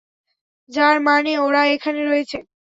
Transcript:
যার মানে ওরা এখানে রয়েছে।